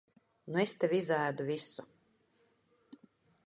Nu es tev izēdu visu.